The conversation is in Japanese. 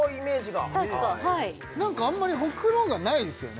たしかあんまりホクロがないですよね